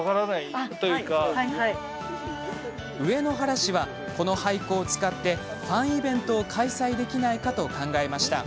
上野原市は、この廃校を使ってファンイベントを開催できないかと考えました。